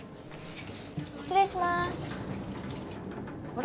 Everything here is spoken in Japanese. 失礼しますあれ？